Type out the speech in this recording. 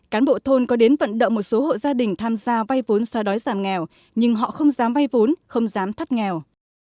cán bộ thôn có đến vận động một số hộ gia đình tham gia vay vốn xoa đói giảm nghèo nhưng họ không dám vay vốn không dám thắt nghèo